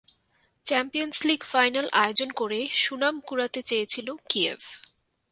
Champions League final আয়োজন করে সুনাম কুড়াতে চেয়েছিল কিয়েভ।